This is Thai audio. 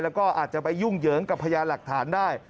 แล้วก็อาจจะไปยุ่งเหยิงกับพยานหลักฐานได้